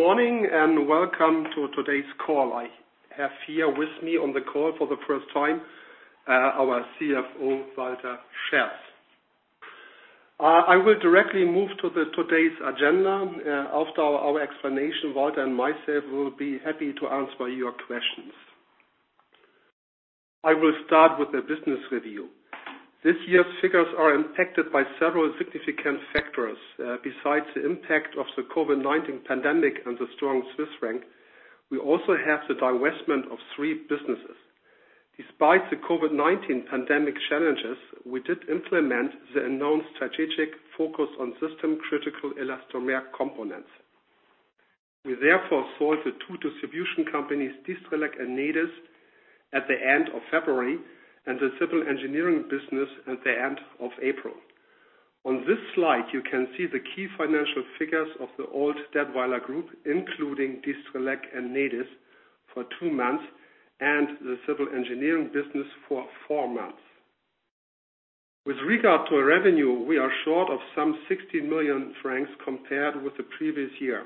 Good morning, welcome to today's call. I have here with me on the call for the first time, our CFO, Walter Scherz. I will directly move to today's agenda. After our explanation, Walter and myself will be happy to answer your questions. I will start with the business review. This year's figures are impacted by several significant factors. Besides the impact of the COVID-19 pandemic and the strong Swiss franc, we also have the divestment of three businesses. Despite the COVID-19 pandemic challenges, we did implement the known strategic focus on system critical elastomer components. We therefore sold the two distribution companies, Distrelec and Nedis, at the end of February, and the civil engineering business at the end of April. On this slide, you can see the key financial figures of the old Dätwyler Group, including Distrelec and Nedis for two months and the civil engineering business for four months. With regard to our revenue, we are short of some 60 million francs compared with the previous year.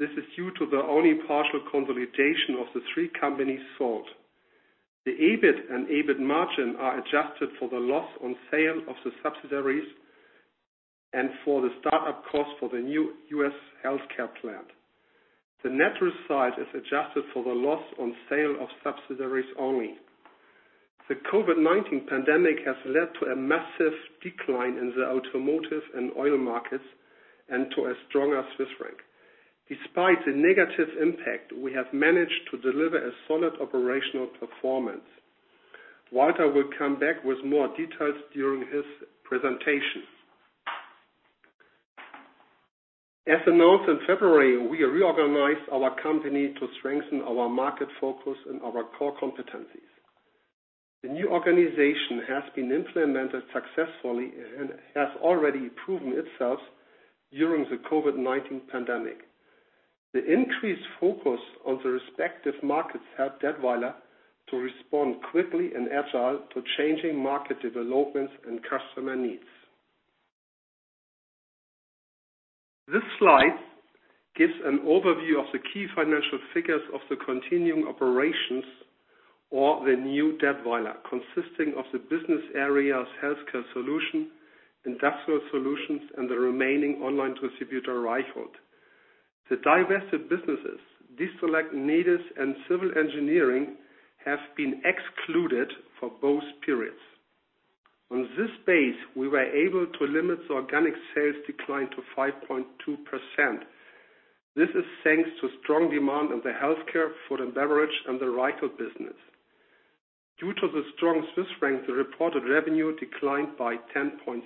This is due to the only partial consolidation of the three companies sold. The EBIT and EBIT margin are adjusted for the loss on sale of the subsidiaries and for the start-up cost for the new U.S. Healthcare Solutions plant. The net result is adjusted for the loss on sale of subsidiaries only. The COVID-19 pandemic has led to a massive decline in the automotive and oil markets and to a stronger Swiss franc. Despite the negative impact, we have managed to deliver a solid operational performance. Walter will come back with more details during his presentation. As announced in February, we reorganized our company to strengthen our market focus and our core competencies. The new organization has been implemented successfully and has already proven itself during the COVID-19 pandemic. The increased focus on the respective markets help Dätwyler to respond quickly and agile to changing market developments and customer needs. This slide gives an overview of the key financial figures of the continuing operations or the new Dätwyler, consisting of the business area's Healthcare Solutions, Industrial Solutions, and the remaining online distributor, Reichelt. The divested businesses, Distrelec, Nedis, and civil engineering, have been excluded for both periods. On this base, we were able to limit the organic sales decline to 5.2%. This is thanks to strong demand in the Healthcare, food and beverage, and the Reichelt business. Due to the strong Swiss franc, the reported revenue declined by 10.3%.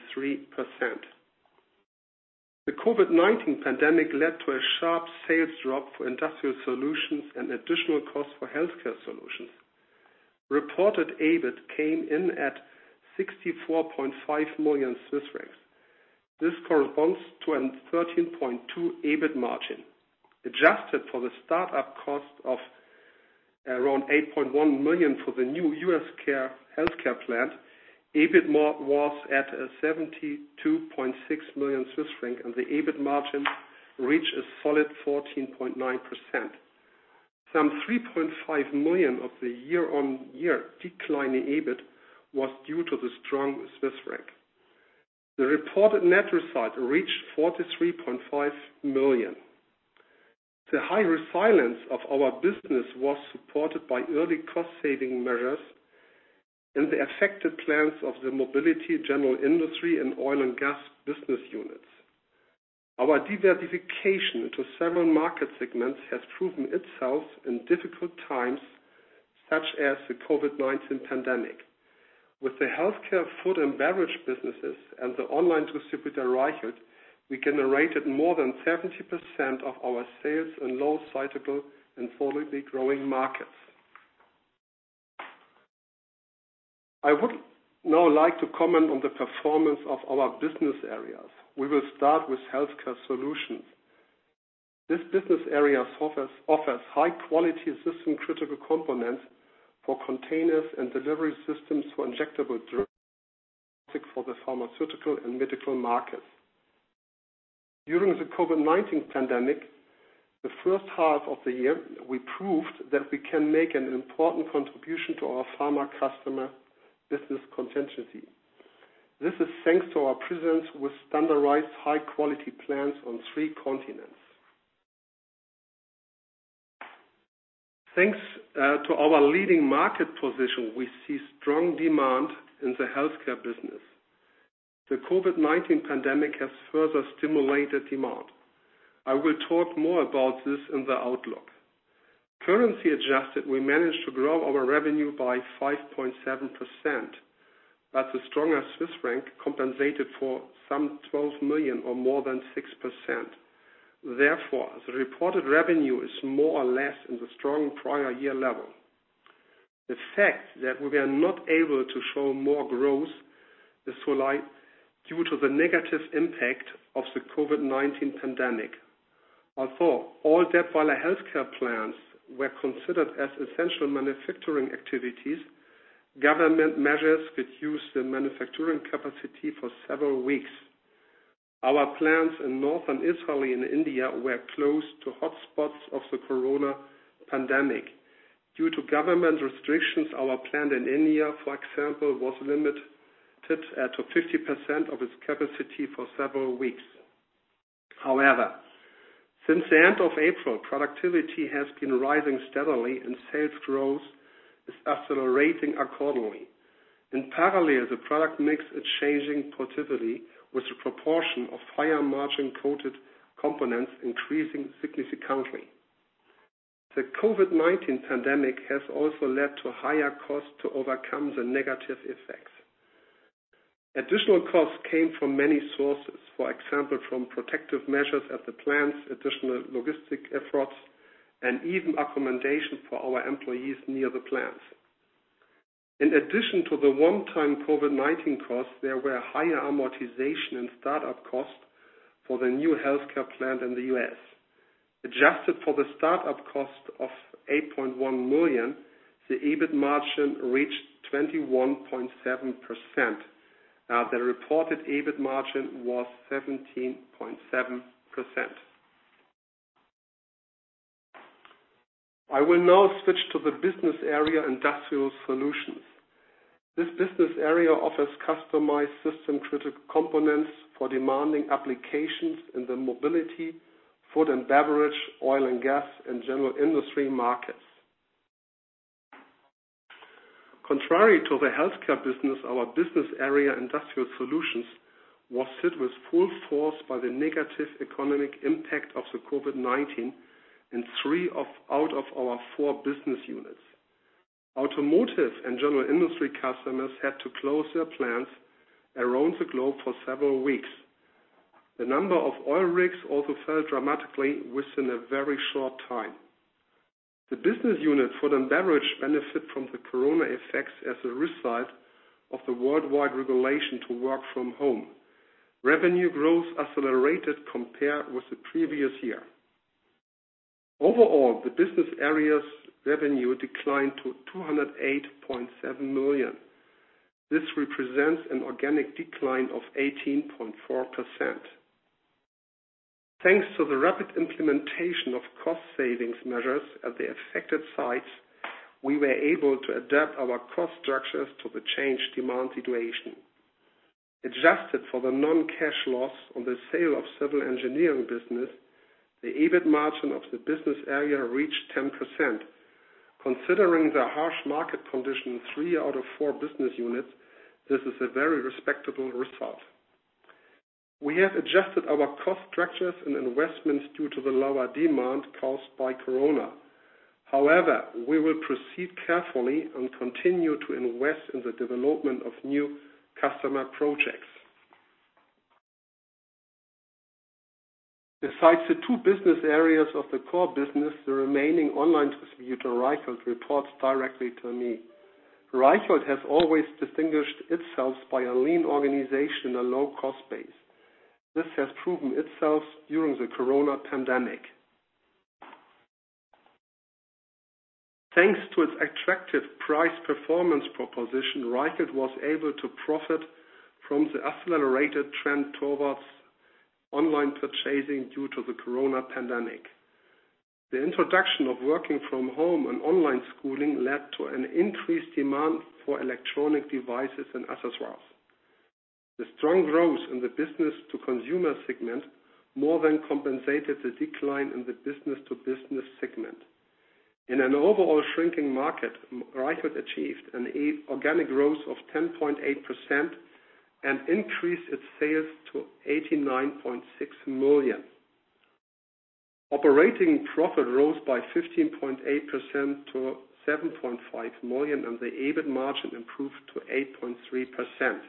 The COVID-19 pandemic led to a sharp sales drop for Industrial Solutions and additional costs for Healthcare Solutions. Reported EBIT came in at 64.5 million Swiss francs. This corresponds to a 13.2% EBIT margin. Adjusted for the start-up cost of around 8.1 million for the new U.S. Healthcare Solutions plant, EBIT was at 72.6 million Swiss franc, and the EBIT margin reached a solid 14.9%. Some 3.5 million of the year-on-year decline in EBIT was due to the strong Swiss franc. The reported net result reached 43.5 million. The high resilience of our business was supported by early cost-saving measures in the affected plants of the mobility, general industry, and oil and gas business units. Our diversification into several market segments has proven itself in difficult times, such as the COVID-19 pandemic. With the healthcare, food, and beverage businesses and the online distributor, Reichelt, we generated more than 70% of our sales and less cyclical in solidly growing markets. I would now like to comment on the performance of our business areas. We will start with Healthcare Solutions. This business area offers high-quality system-critical components for containers and delivery systems for injectable drugs for the pharmaceutical and medical markets. During the COVID-19 pandemic, the first half of the year, we proved that we can make an important contribution to our pharma customer business contingency. This is thanks to our presence with standardized high-quality plants on three continents. Thanks to our leading market position, we see strong demand in the healthcare business. The COVID-19 pandemic has further stimulated demand. I will talk more about this in the outlook. Currency adjusted, we managed to grow our revenue by 5.7%. The stronger Swiss franc compensated for some 12 million or more than 6%. The reported revenue is more or less in the strong prior year level. The fact that we are not able to show more growth is due to the negative impact of the COVID-19 pandemic. Although all Dätwyler healthcare plants were considered as essential manufacturing activities, government measures reduced the manufacturing capacity for several weeks. Our plants in Northern Italy and India were closed to hotspots of the COVID-19 pandemic. Due to government restrictions, our plant in India, for example, was limited to 50% of its capacity for several weeks. Since the end of April, productivity has been rising steadily and sales growth is accelerating accordingly. In parallel, the product mix is changing positively with the proportion of higher margin coated components increasing significantly. The COVID-19 pandemic has also led to higher costs to overcome the negative effects. Additional costs came from many sources, for example, from protective measures at the plants, additional logistic efforts, and even accommodation for our employees near the plants. In addition to the one-time COVID-19 costs, there were higher amortization and start-up costs for the new healthcare plant in the U.S. Adjusted for the start-up cost of 8.1 million, the EBIT margin reached 21.7%. Now, the reported EBIT margin was 17.7%. I will now switch to the business area Industrial Solutions. This business area offers customized system-critical components for demanding applications in the mobility, food and beverage, oil and gas, and general industry markets. Contrary to the healthcare business, our business area, Industrial Solutions, was hit with full force by the negative economic impact of the COVID-19 in three out of our four business units. Automotive and general industry customers had to close their plants around the globe for several weeks. The number of oil rigs also fell dramatically within a very short time. The business unit Food and Beverage benefit from the COVID-19 effects as a result of the worldwide regulation to work from home. Revenue growth accelerated compared with the previous year. Overall, the business area's revenue declined to 208.7 million. This represents an organic decline of 18.4%. Thanks to the rapid implementation of cost savings measures at the affected sites, we were able to adapt our cost structures to the changed demand situation. Adjusted for the non-cash loss on the sale of Civil Engineering business, the EBIT margin of the business area reached 10%. Considering the harsh market condition in three out of four business units, this is a very respectable result. We have adjusted our cost structures and investments due to the lower demand caused by corona. However, we will proceed carefully and continue to invest in the development of new customer projects. Besides the two business areas of the core business, the remaining online distributor, Reichelt, reports directly to me. Reichelt has always distinguished itself by a lean organization and a low-cost base. This has proven itself during the corona pandemic. Thanks to its attractive price-performance proposition, Reichelt was able to profit from the accelerated trend towards online purchasing due to the corona pandemic. The introduction of working from home and online schooling led to an increased demand for electronic devices and accessories. The strong growth in the business-to-consumer segment more than compensated the decline in the business-to-business segment. In an overall shrinking market, Reichelt achieved an organic growth of 10.8% and increased its sales to 89.6 million. Operating profit rose by 15.8% to 7.5 million and the EBIT margin improved to 8.3%.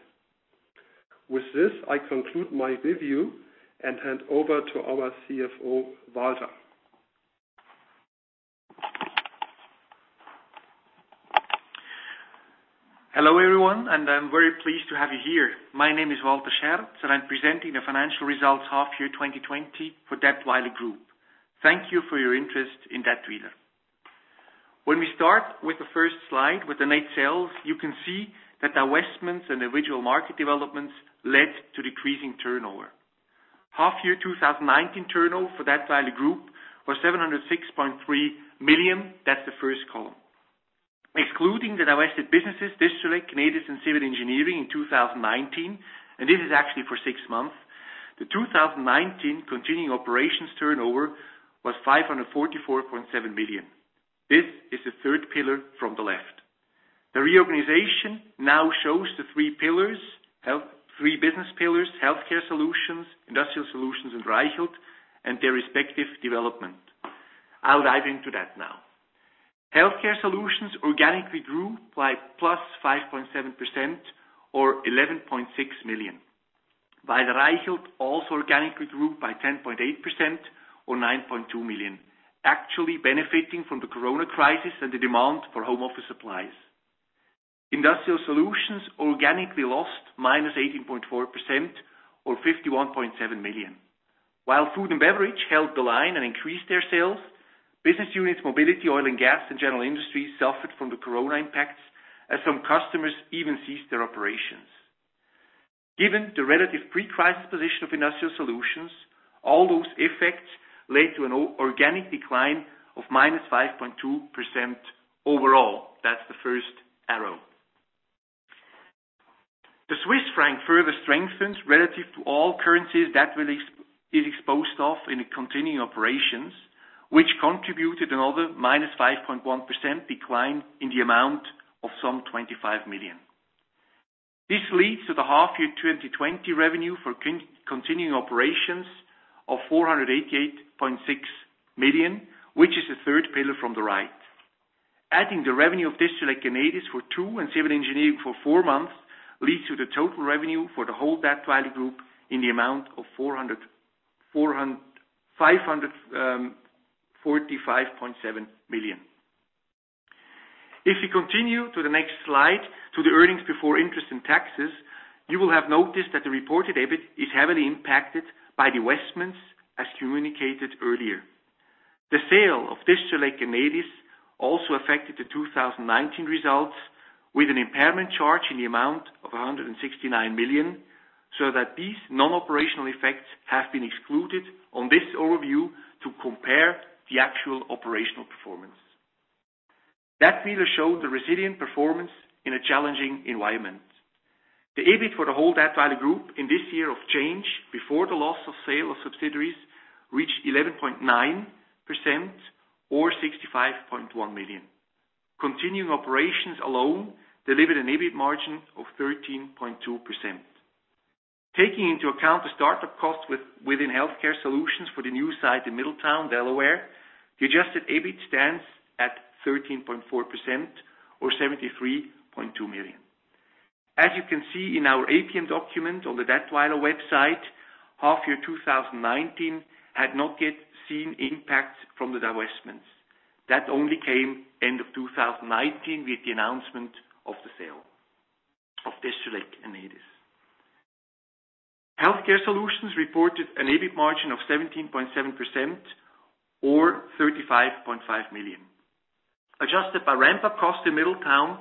With this, I conclude my review and hand over to our CFO, Walter. Hello, everyone, and I'm very pleased to have you here. My name is Walter Scherz, and I'm presenting the financial results half-year 2020 for Dätwyler Group. Thank you for your interest in Dätwyler. When we start with the first slide with the net sales, you can see that divestments and original market developments led to decreasing turnover. Half-year 2019 turnover for Dätwyler Group was 706.3 million. That's the first column. Excluding the divested businesses, Distrelec, Nedis, and Civil Engineering in 2019, and this is actually for six months, the 2019 continuing operations turnover was 544.7 million. This is the third pillar from the left. The reorganization now shows the three business pillars, Healthcare Solutions, Industrial Solutions, and Reichelt, and their respective development. I'll dive into that now. Healthcare Solutions organically grew by +5.7% or 11.6 million. Reichelt also organically grew by 10.8% or 9.2 million, actually benefiting from the corona crisis and the demand for home office supplies. Industrial Solutions organically lost -18.4% or 51.7 million. Food and beverage held the line and increased their sales, business units, mobility, oil and gas, and general industries suffered from the COVID impacts, as some customers even ceased their operations. Given the relative pre-crisis position of Industrial Solutions, all those effects led to an organic decline of -5.2% overall. That's the first arrow. The Swiss franc further strengthens relative to all currencies that it is exposed of in the continuing operations, which contributed another -5.1% decline in the amount of some 25 million. This leads to the half-year 2020 revenue for continuing operations of 488.6 million, which is the third pillar from the right. Adding the revenue of Distrelec and Nedis for two, and Civil Engineering for four months, leads to the total revenue for the whole Dätwyler Group in the amount of 545.7 million. If we continue to the next slide, to the earnings before interest and taxes, you will have noticed that the reported EBIT is heavily impacted by the divestments, as communicated earlier. The sale of Distrelec and Nedis also affected the 2019 results, with an impairment charge in the amount of 169 million, so that these non-operational effects have been excluded on this overview to compare the actual operational performance. That pillar showed a resilient performance in a challenging environment. The EBIT for the whole Dätwyler Group in this year of change, before the loss of sale of subsidiaries, reached 11.9% or 65.1 million. Continuing operations alone delivered an EBIT margin of 13.2%. Taking into account the start-up costs within Healthcare Solutions for the new site in Middletown, Delaware, the adjusted EBIT stands at 13.4%, or 73.2 million. As you can see in our APM document on the Dätwyler website, half-year 2019 had not yet seen impacts from the divestments. That only came end of 2019 with the announcement of the sale of Distrelec and ADES. Healthcare Solutions reported an EBIT margin of 17.7%, or 35.5 million. Adjusted by ramp-up cost in Middletown,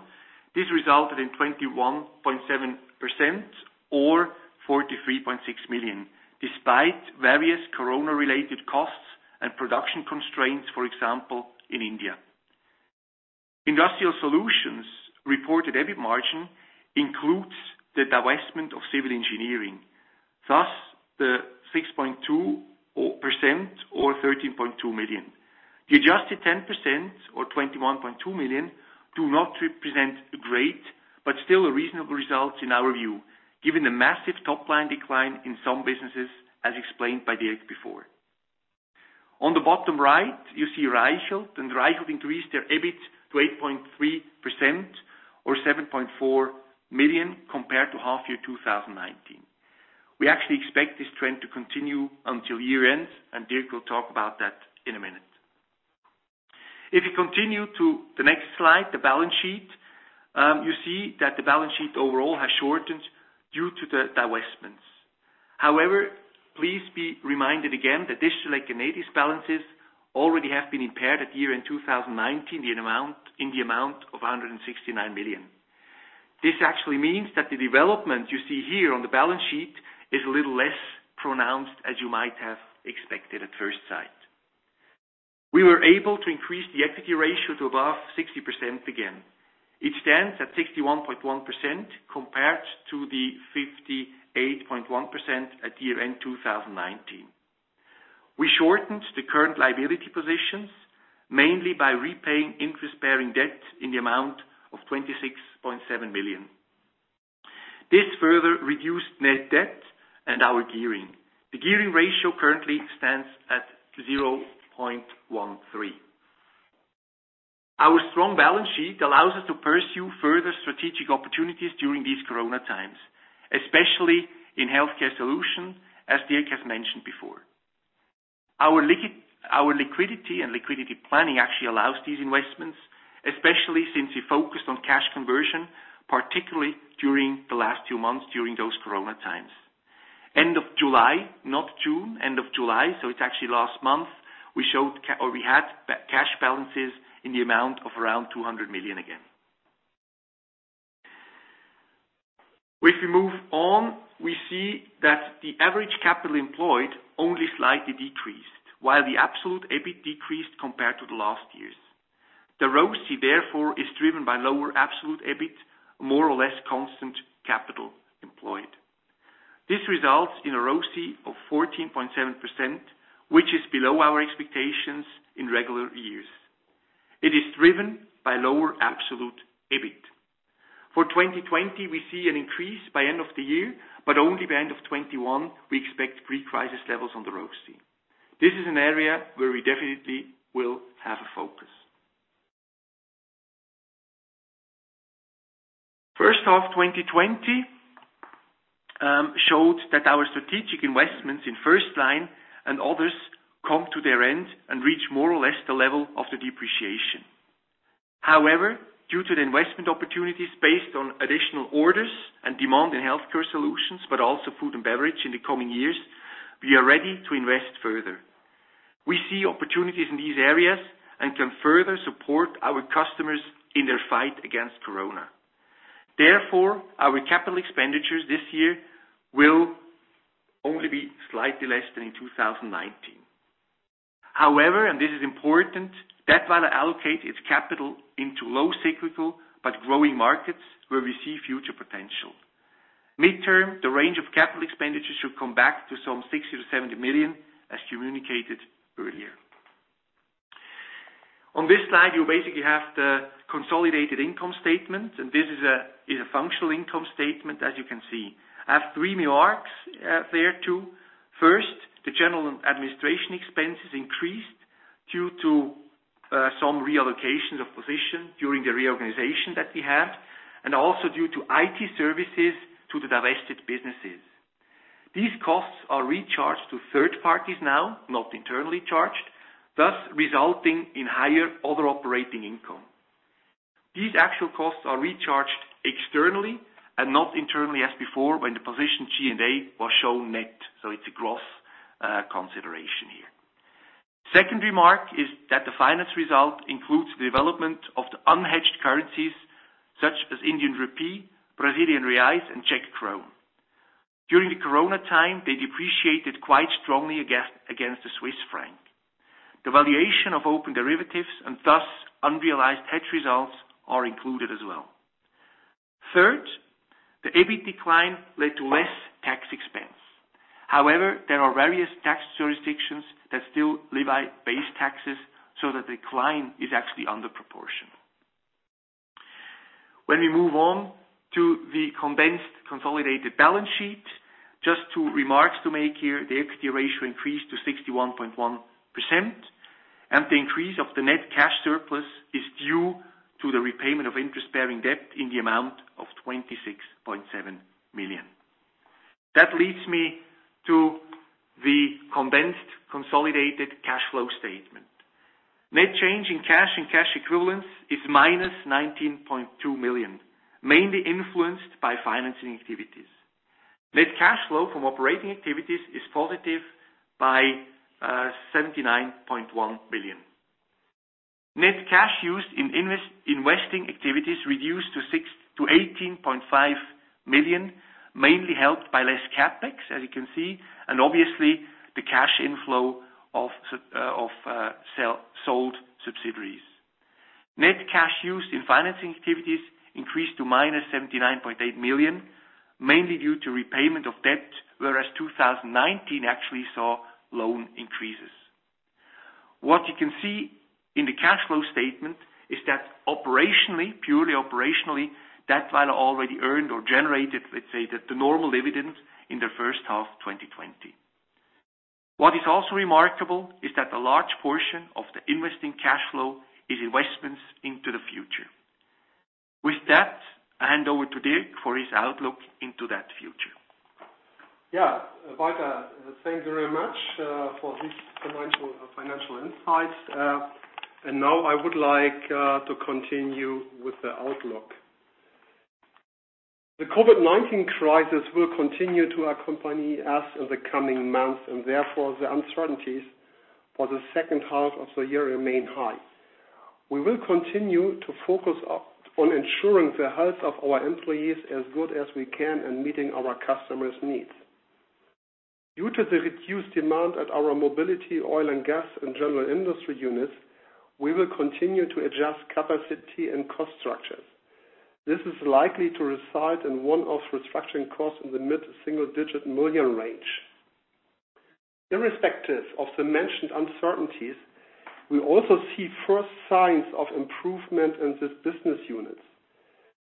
this resulted in 21.7%, or 43.6 million, despite various COVID-related costs and production constraints, for example, in India. Industrial Solutions reported EBIT margin includes the divestment of Civil Engineering, thus the 6.2% or 13.2 million. The adjusted 10%, or 21.2 million, do not represent great, but still a reasonable result in our view, given the massive top-line decline in some businesses, as explained by Dirk before. On the bottom right, you see Reichelt. Reichelt increased their EBIT to 8.3%, or 7.4 million compared to half-year 2019. We actually expect this trend to continue until year-end. Dirk will talk about that in a minute. If you continue to the next slide, the balance sheet, you see that the balance sheet overall has shortened due to the divestments. However, please be reminded again that Distrelec and Nedis balances already have been impaired at year-end 2019 in the amount of 169 million. This actually means that the development you see here on the balance sheet is a little less pronounced as you might have expected at first sight. We were able to increase the equity ratio to above 60% again. It stands at 61.1% compared to the 58.1% at year-end 2019. We shortened the current liability positions, mainly by repaying interest-bearing debt in the amount of 26.7 million. This further reduced net debt and our gearing. The gearing ratio currently stands at 0.13. Our strong balance sheet allows us to pursue further strategic opportunities during these COVID-19 times, especially in Healthcare Solutions, as Dirk has mentioned before. Our liquidity and liquidity planning actually allows these investments, especially since we focused on cash conversion, particularly during the last two months during those COVID-19 times. End of July, not June, end of July, so it's actually last month, we had cash balances in the amount of around 200 million again. If we move on, we see that the average capital employed only slightly decreased, while the absolute EBIT decreased compared to the last years. The ROCE, therefore, is driven by lower absolute EBIT, more or less constant capital employed. This results in a ROCE of 14.7%, which is below our expectations in regular years. It is driven by lower absolute EBIT. For 2020, we see an increase by end of the year, but only by end of 2021, we expect pre-crisis levels on the ROCE. This is an area where we definitely will have a focus. First half 2020 showed that our strategic investments in FirstLine and others come to their end and reach more or less the level of the depreciation. However, due to the investment opportunities based on additional orders and demand in Healthcare Solutions, but also food and beverage in the coming years, we are ready to invest further. We see opportunities in these areas and can further support our customers in their fight against corona. Therefore, our capital expenditures this year will only be slightly less than in 2019. This is important, Dätwyler allocates its capital into low cyclical but growing markets where we see future potential. Midterm, the range of capital expenditures should come back to some 60 million-70 million, as communicated earlier. On this slide, you basically have the consolidated income statement, and this is a functional income statement, as you can see. I have three remarks there, too. First, the general administration expenses increased due to some reallocations of position during the reorganization that we had, and also due to IT services to the divested businesses. These costs are recharged to third parties now, not internally charged, thus resulting in higher order operating income. These actual costs are recharged externally and not internally as before, when the position G&A was shown net. It is a gross consideration here. Second remark is that the finance result includes the development of the unhedged currencies such as Indian rupee, Brazilian reais, and Czech koruna. During the Corona time, they depreciated quite strongly against the Swiss franc. The valuation of open derivatives and thus unrealized hedge results are included as well. Third, the EBIT decline led to less tax expense. However, there are various tax jurisdictions that still levy base taxes so that decline is actually under proportion. When we move on to the condensed consolidated balance sheet, just two remarks to make here. The equity ratio increased to 61.1%, and the increase of the net cash surplus is due to the repayment of interest-bearing debt in the amount of 26.7 million. That leads me to the condensed consolidated cash flow statement. Net change in cash and cash equivalents is -19.2 million, mainly influenced by financing activities. Net cash flow from operating activities is positive by 79.1 million. Net cash used in investing activities reduced to 18.5 million, mainly helped by less CapEx, as you can see, and obviously the cash inflow of sold subsidiaries. Net cash used in financing activities increased to -79.8 million, mainly due to repayment of debt, whereas 2019 actually saw loan increases. What you can see in the cash flow statement is that operationally, purely operationally, Dätwyler already earned or generated, let's say, the normal dividends in the first half of 2020. What is also remarkable is that a large portion of the investing cash flow is investments into the future. With that, I hand over to Dirk for his outlook into that future. Yeah. Walter, thanks very much for these financial insights. Now I would like to continue with the outlook. The COVID-19 crisis will continue to accompany us in the coming months, and therefore, the uncertainties for the second half of the year remain high. We will continue to focus on ensuring the health of our employees as good as we can and meeting our customers' needs. Due to the reduced demand at our mobility, oil and gas, and general industry units, we will continue to adjust capacity and cost structures. This is likely to result in one-off restructuring costs in the mid-single-digit million range. Irrespective of the mentioned uncertainties, we also see first signs of improvement in these business units.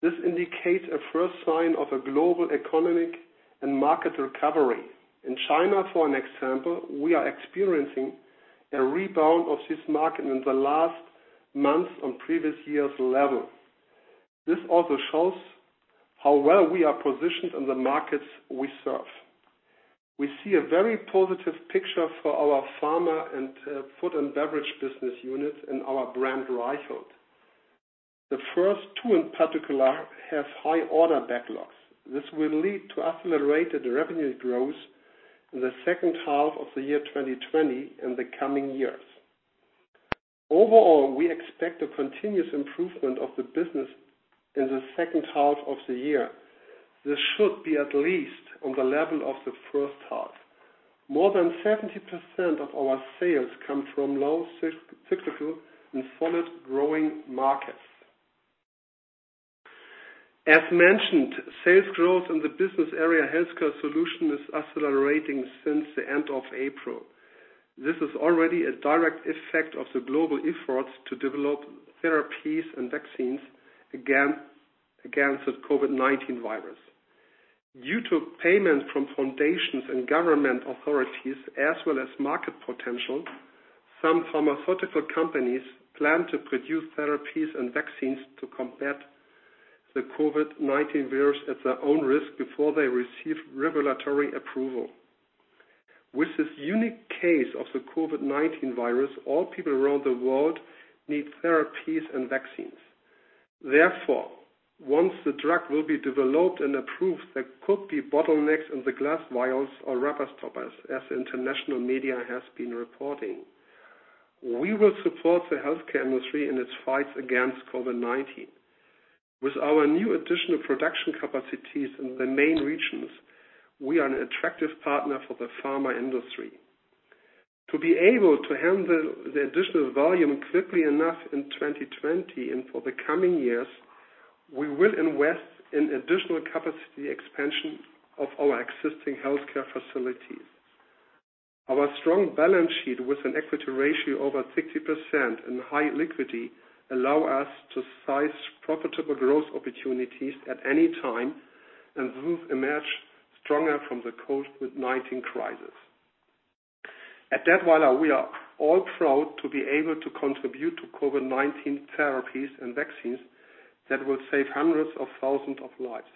This indicates a first sign of a global economic and market recovery. In China, for an example, we are experiencing a rebound of this market in the last month on previous year's level. This also shows how well we are positioned in the markets we serve. We see a very positive picture for our pharma and food and beverage business units and our brand, Reichelt. The first two in particular have high order backlogs. This will lead to accelerated revenue growth in the second half of the year 2020 and the coming years. Overall, we expect a continuous improvement of the business in the second half of the year. This should be at least on the level of the first half. More than 70% of our sales come from low cyclical and solid growing markets. As mentioned, sales growth in the business area Healthcare Solutions is accelerating since the end of April. This is already a direct effect of the global efforts to develop therapies and vaccines against the COVID-19 virus. Due to payments from foundations and government authorities as well as market potential, some pharmaceutical companies plan to produce therapies and vaccines to combat the COVID-19 virus at their own risk before they receive regulatory approval. With this unique case of the COVID-19 virus, all people around the world need therapies and vaccines. Once the drug will be developed and approved, there could be bottlenecks in the glass vials or rubber stoppers, as international media has been reporting. We will support the healthcare industry in its fight against COVID-19. With our new additional production capacities in the main regions, we are an attractive partner for the pharma industry. To be able to handle the additional volume quickly enough in 2020 and for the coming years, we will invest in additional capacity expansion of our existing healthcare facilities. Our strong balance sheet, with an equity ratio over 60% and high liquidity, allow us to seize profitable growth opportunities at any time and thus emerge stronger from the COVID-19 crisis. At Dätwyler, we are all proud to be able to contribute to COVID-19 therapies and vaccines that will save hundreds of thousands of lives.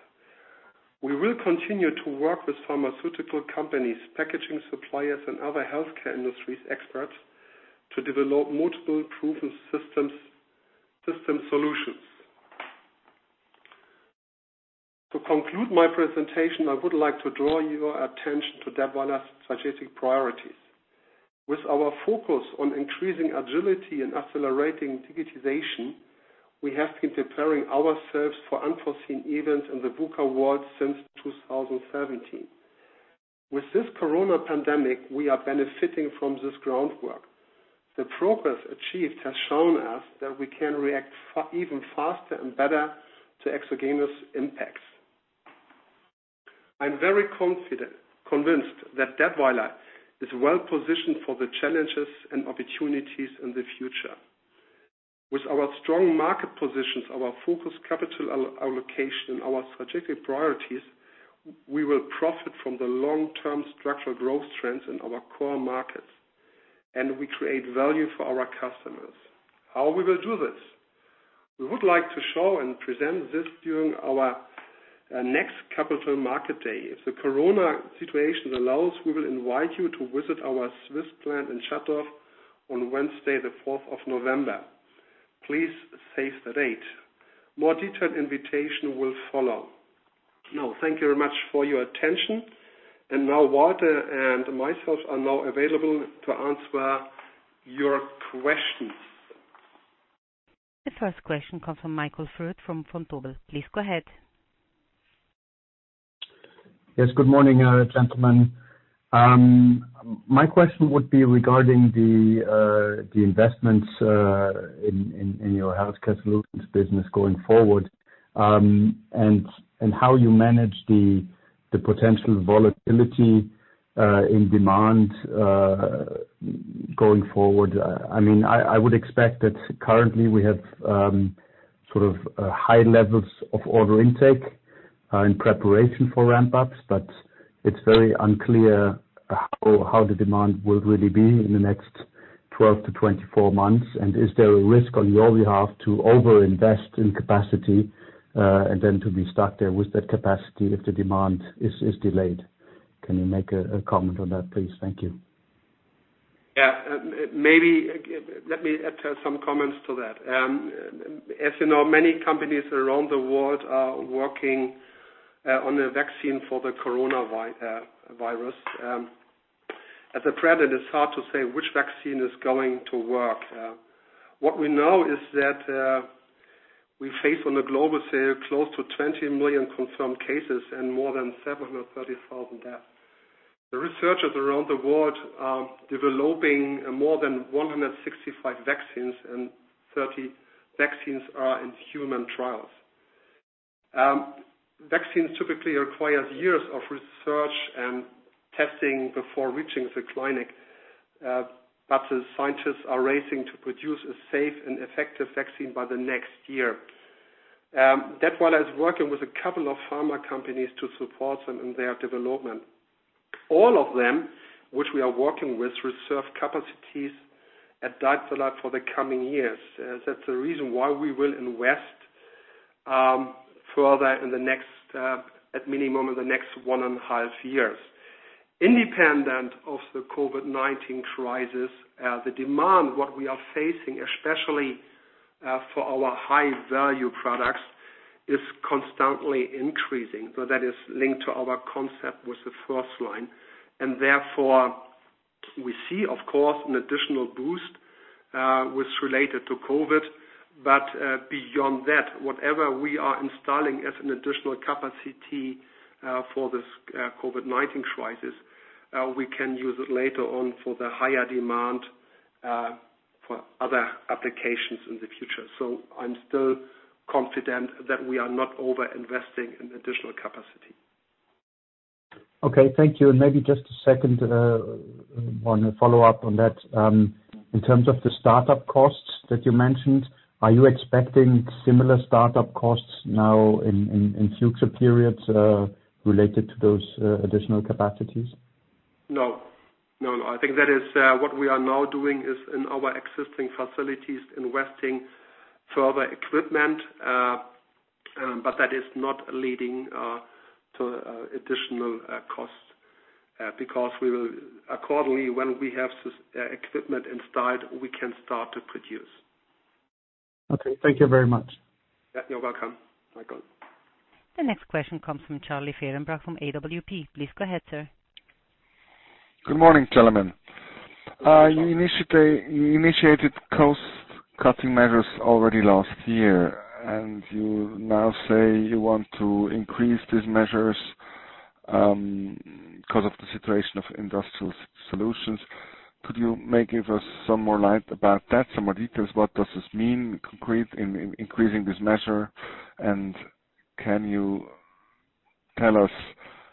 We will continue to work with pharmaceutical companies, packaging suppliers, and other healthcare industry experts to develop multiple proven system solutions. To conclude my presentation, I would like to draw your attention to Dätwyler's strategic priorities. With our focus on increasing agility and accelerating digitization, we have been preparing ourselves for unforeseen events in the VUCA world since 2017. With this Corona pandemic, we are benefiting from this groundwork. The progress achieved has shown us that we can react even faster and better to exogenous impacts. I'm very convinced that Dätwyler is well-positioned for the challenges and opportunities in the future. With our strong market positions, our focused capital allocation, and our strategic priorities, we will profit from the long-term structural growth trends in our core markets, and we create value for our customers. How we will do this? We would like to show and present this during our next Capital Market Day. If the Corona situation allows, we will invite you to visit our Swiss plant in Schattdorf on Wednesday the fourth of November. Please save the date. More detailed invitation will follow. Now, thank you very much for your attention, and now Walter and myself are now available to answer your questions. The first question comes from Michael Foeth from Vontobel. Please go ahead. Yes, good morning, gentlemen. My question would be regarding the investments in your Healthcare Solutions business going forward, and how you manage the potential volatility in demand going forward. I would expect that currently we have high levels of order intake in preparation for ramp-ups, but it's very unclear how the demand will really be in the next 12 to 24 months. Is there a risk on your behalf to overinvest in capacity, and then to be stuck there with that capacity if the demand is delayed? Can you make a comment on that, please? Thank you. Yeah. Let me add some comments to that. As you know, many companies around the world are working on a vaccine for the coronavirus. At the present, it's hard to say which vaccine is going to work. What we know is that we face, on a global scale, close to 20 million confirmed cases and more than 730,000 deaths. The researchers around the world are developing more than 165 vaccines, and 30 vaccines are in human trials. Vaccines typically require years of research and testing before reaching the clinic, but the scientists are racing to produce a safe and effective vaccine by the next year. Dätwyler is working with a couple of pharma companies to support them in their development. All of them, which we are working with, reserve capacities at Dätwyler for the coming years. That's the reason why we will invest further in the next, at minimum, the next one and a half years. Independent of the COVID-19 crisis, the demand, what we are facing, especially for our high-value products, is constantly increasing. That is linked to our concept with the FirstLine, and therefore we see, of course, an additional boost which is related to COVID, but beyond that, whatever we are installing as an additional capacity for this COVID-19 crisis, we can use it later on for the higher demand for other applications in the future. I'm still confident that we are not over-investing in additional capacity. Okay, thank you. Maybe just a second on a follow-up on that. In terms of the startup costs that you mentioned, are you expecting similar startup costs now in future periods, related to those additional capacities? No. I think that what we are now doing is in our existing facilities, investing further equipment. That is not leading to additional cost, because accordingly, when we have equipment installed, we can start to produce. Okay, thank you very much. You're welcome, Michael. The next question comes from Charlie Fehrenbach from AWP. Please go ahead, sir. Good morning, gentlemen. You initiated cost-cutting measures already last year, and you now say you want to increase these measures, because of the situation of Industrial Solutions. Could you maybe give us some more light about that, some more details? What does this mean in increasing this measure? Can you tell us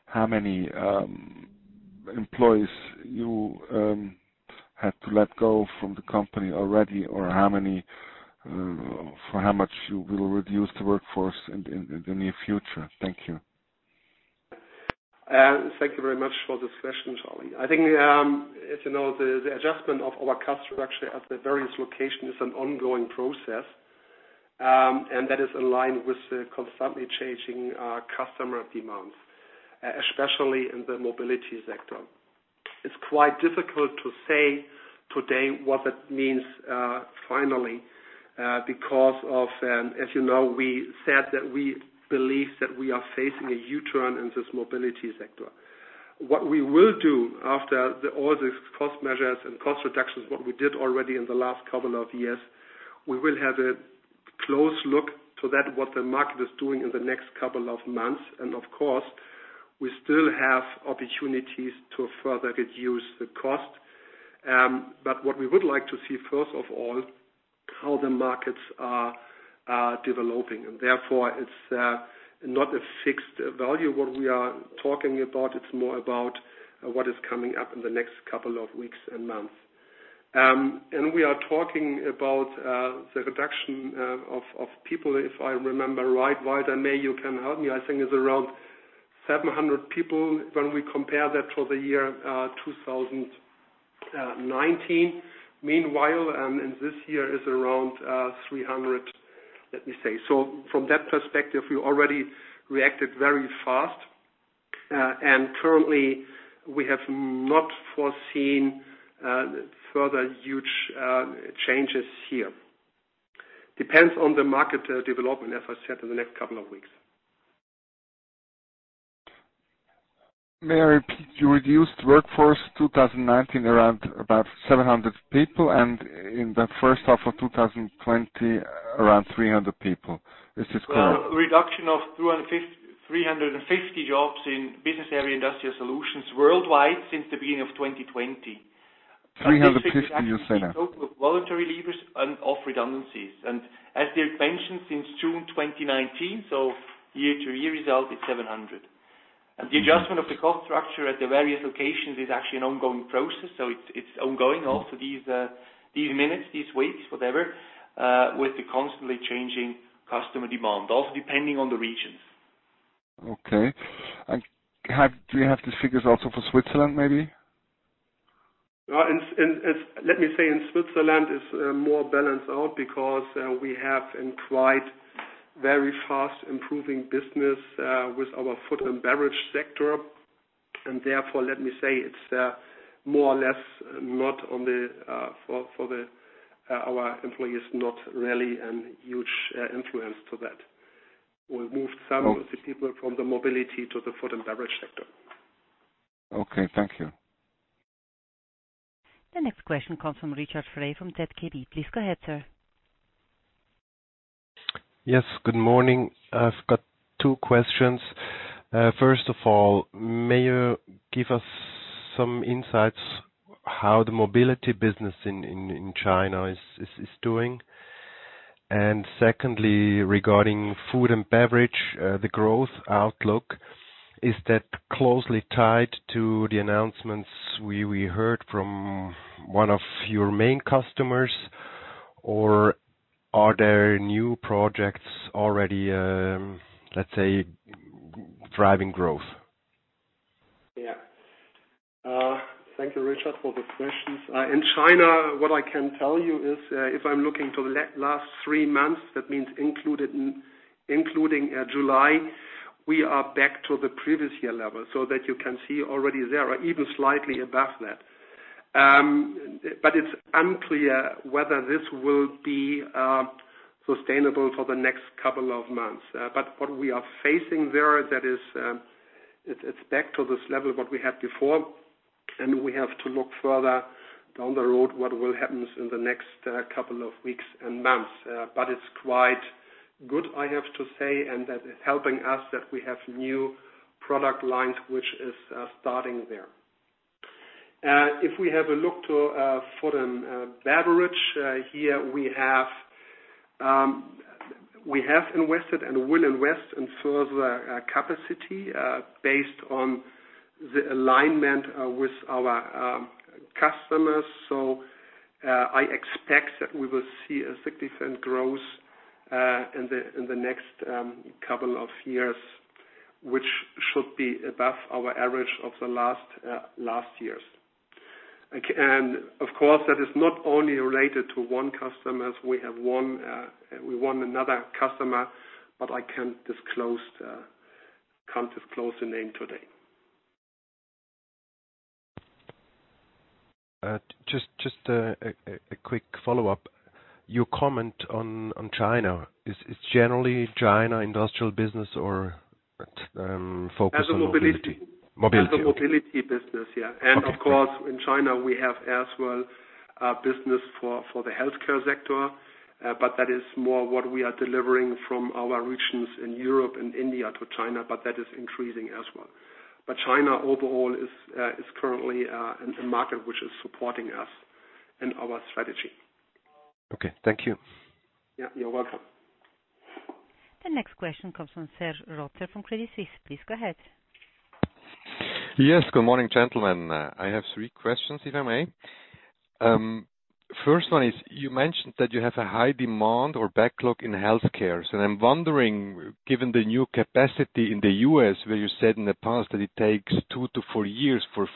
how many employees you had to let go from the company already, or for how much you will reduce the workforce in the near future? Thank you. Thank you very much for this question, Christian. I think, as you know, the adjustment of our cost structure at the various locations is an ongoing process. That is in line with the constantly changing customer demands, especially in the mobility sector. It's quite difficult to say today what that means finally, because as you know, we said that we believe that we are facing a U-turn in this mobility sector. What we will do after all the cost measures and cost reductions, what we did already in the last couple of years, we will have a close look to that, what the market is doing in the next couple of months. Of course, we still have opportunities to further reduce the cost. What we would like to see, first of all, how the markets are developing. Therefore, it's not a fixed value what we are talking about. It's more about what is coming up in the next couple of weeks and months. We are talking about the reduction of people, if I remember right. Walter, maybe you can help me. I think it's around 700 people when we compare that to the year 2019. Meanwhile, this year is around 300, let me say. From that perspective, we already reacted very fast. Currently, we have not foreseen further huge changes here. Depends on the market development, as I said, in the next couple of weeks. May I repeat, you reduced workforce 2019 around about 700 people, and in the first half of 2020, around 300 people. Is this correct? Reduction of 350 jobs in business area Industrial Solutions worldwide since the beginning of 2020. 350 you say. Voluntary leavers and of redundancies. As Dirk mentioned, since June 2019, so year-to-year result is 700. The adjustment of the cost structure at the various locations is actually an ongoing process. It's ongoing, also these minutes, these weeks, whatever, with the constantly changing customer demand. Also depending on the regions. Okay. Do you have the figures also for Switzerland, maybe? Let me say, in Switzerland, it's more balanced out because we have employed very fast improving business with our food and beverage sector. Therefore, let me say, for our employees, not really a huge influence to that. We moved some of the people from the mobility to the food and beverage sector. Okay, thank you. The next question comes from Richard Frei from ZKB. Please go ahead, sir. Yes, good morning. I've got two questions. First of all, may you give us some insights how the mobility business in China is doing? Secondly, regarding food and beverage, the growth outlook, is that closely tied to the announcements we heard from one of your main customers, or are there new projects already, let's say, driving growth? Thank you, Richard, for the questions. In China, what I can tell you is, if I'm looking to the last three months, that means including July, we are back to the previous year level. That you can see already there or even slightly above that. It's unclear whether this will be sustainable for the next couple of months. What we are facing there, that is, it's back to this level what we had before, and we have to look further down the road what will happen in the next couple of weeks and months. It's quite good, I have to say, and that is helping us that we have new product lines which is starting there. If we have a look to food and beverage. Here, we have invested and will invest in further capacity based on the alignment with our customers. I expect that we will see a significant growth in the next couple of years, which should be above our average of the last years. Of course, that is not only related to one customer, as we won another customer, but I can't disclose the name today. Just a quick follow-up. Your comment on China, is it generally China industrial business or focused on mobility? As a mobility. Mobility. As a mobility business, yeah. Okay. Of course, in China, we have as well a business for the healthcare sector. That is more what we are delivering from our regions in Europe and India to China, but that is increasing as well. China overall is currently a market which is supporting us in our strategy. Okay. Thank you. Yeah, you're welcome. The next question comes from Serge Rotzer from Credit Suisse. Please go ahead. Yes. Good morning, gentlemen. I have three questions, if I may. First one is, you mentioned that you have a high demand or backlog in healthcare. I'm wondering, given the new capacity in the U.S., where you said in the past that it takes two to four years for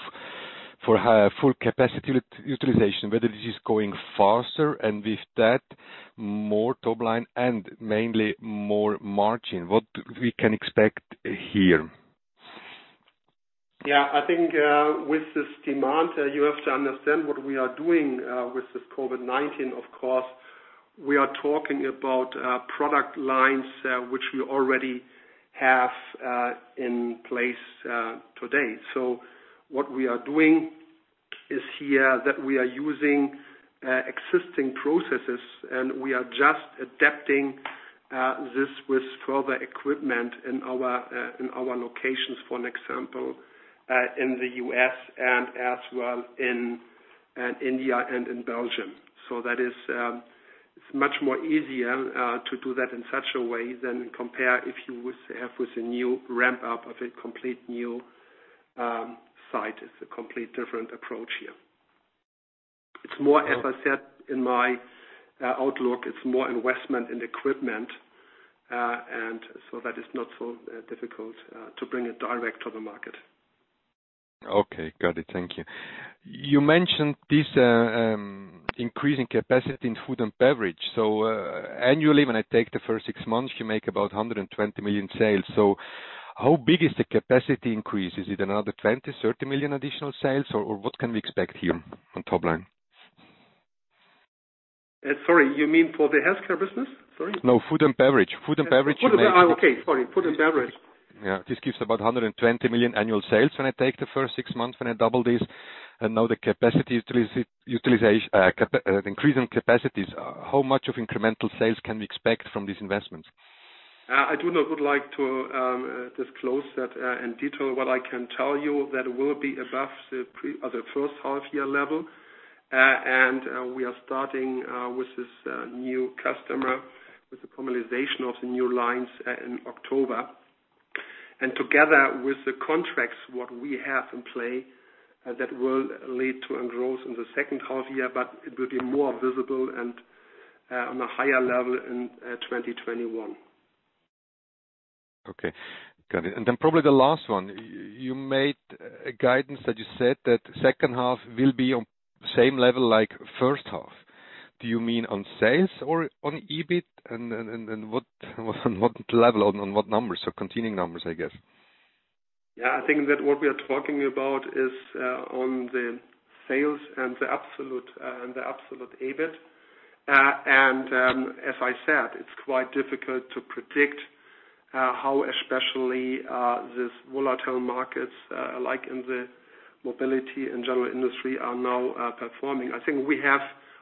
full capacity utilization, whether this is going faster and with that, more top line and mainly more margin. What we can expect here? Yeah. I think, with this demand, you have to understand what we are doing with this COVID-19. Of course, we are talking about product lines which we already have in place today. What we are doing is here, that we are using existing processes, and we are just adapting this with further equipment in our locations, for example, in the U.S. and as well in India and in Belgium. That is much more easier to do that in such a way than compare if you would have with a new ramp-up of a complete new site. It's a complete different approach here. As I said in my outlook, it's more investment in equipment. That is not so difficult to bring it direct to the market. Okay. Got it. Thank you. You mentioned this increasing capacity in food and beverage. Annually, when I take the first six months, you make about 120 million sales. How big is the capacity increase? Is it another 20 million-30 million additional sales, or what can we expect here on top line? Sorry, you mean for the Healthcare business? Sorry. No, food and beverage. Okay, sorry. Food and beverage. Yeah. This gives about 120 million annual sales. When I take the first six months, when I double this and now the increasing capacities, how much of incremental sales can we expect from these investments? I do not would like to disclose that in detail. What I can tell you that it will be above the first half year level. We are starting with this new customer, with the formalization of the new lines in October. Together with the contracts, what we have in play, that will lead to a growth in the second half year, but it will be more visible and on a higher level in 2021. Okay. Got it. Then probably the last one. You made a guidance that you said that second half will be on same level like first half. Do you mean on sales or on EBIT? What level, on what numbers? Continuing numbers, I guess. I think that what we are talking about is on the sales and the absolute EBIT. As I said, it's quite difficult to predict how, especially, these volatile markets, like in the mobility and general industry, are now performing. I think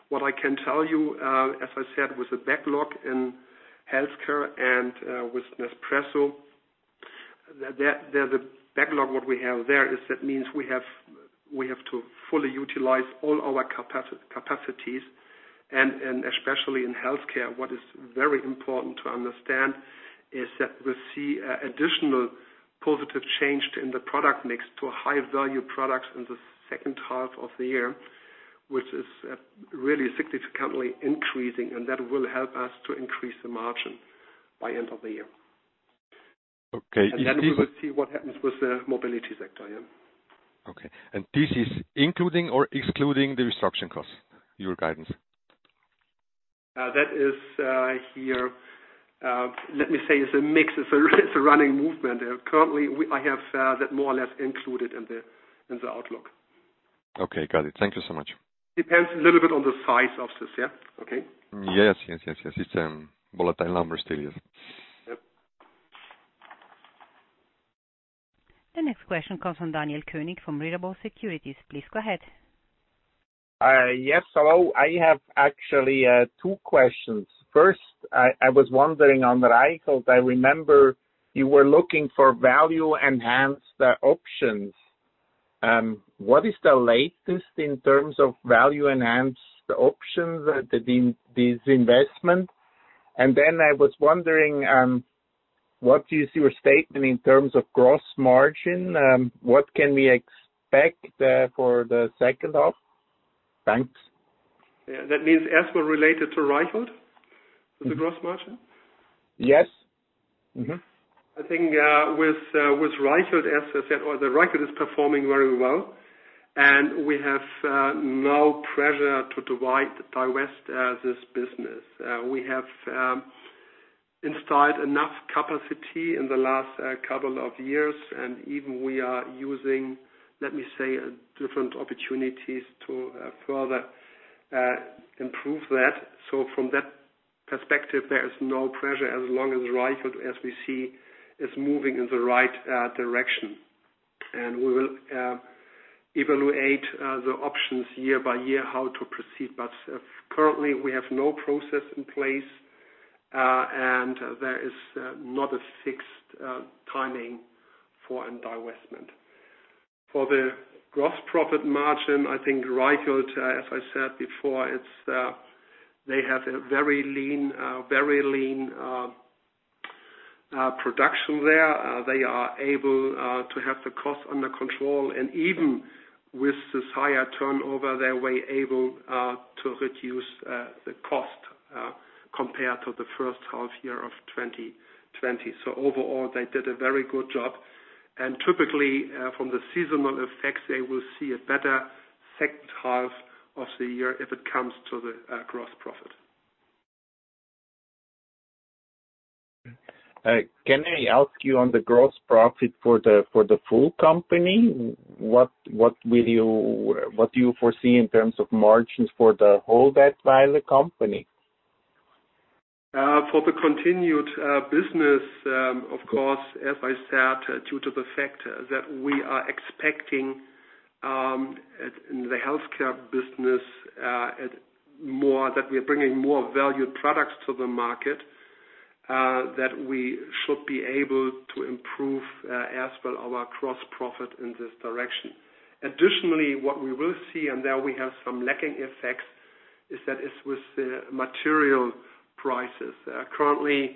what I can tell you, as I said, with the backlog in Healthcare Solutions and with Nespresso, the backlog what we have there means we have to fully utilize all our capacities and especially in Healthcare Solutions. What is very important to understand is that we see additional positive change in the product mix to a high-value product in the second half of the year, which is really significantly increasing. That will help us to increase the margin by end of the year. Okay. We will see what happens with the mobility sector. Yeah. Okay. This is including or excluding the restructuring costs, your guidance? That is, let me say, it's a mix. It's a running movement. Currently, I have that more or less included in the outlook. Okay, got it. Thank you so much. Depends a little bit on the size of this. Yeah, okay? Yes. It's volatile numbers still, yes. Yep. The next question comes from Daniel Koenig, from Mirabaud Securities. Please go ahead. Yes, hello. I have actually two questions. First, I was wondering on the Reichelt. I remember you were looking for value-enhanced options. What is the latest in terms of value-enhanced options, this investment? I was wondering, what is your statement in terms of gross margin? What can we expect for the second half? Thanks. Yeah. That means as well related to Reichelt, the gross margin? Yes. Mm-hmm. I think with Reichelt, as I said, Reichelt is performing very well. We have no pressure to divest this business. We have installed enough capacity in the last couple of years, and even we are using, let me say, different opportunities to further improve that. From that perspective, there is no pressure as long as Reichelt, as we see, is moving in the right direction. We will evaluate the options year by year how to proceed. Currently, we have no process in place, and there is not a fixed timing for divestment. For the gross profit margin, I think Reichelt, as I said before, they have a very lean production there. They are able to have the cost under control, and even with this higher turnover, they were able to reduce the cost compared to the first half year of 2020. Overall, they did a very good job. Typically, from the seasonal effects, they will see a better second half of the year if it comes to the gross profit. Can I ask you on the gross profit for the full company? What do you foresee in terms of margins for the whole Dätwyler company? For the continued business, of course, as I said, due to the fact that we are expecting, in the healthcare business, that we are bringing more valued products to the market, that we should be able to improve as well our gross profit in this direction. Additionally, what we will see, and there we have some lagging effects, is with the material prices. Currently,